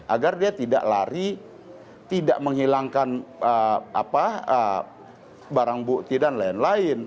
agar dia tidak lari tidak menghilangkan barang bukti dan lain lain